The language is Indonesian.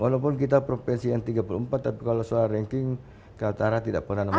walaupun kita provinsi yang tiga puluh empat tapi kalau soal ranking kalahara tidak pernah nama tiga puluh empat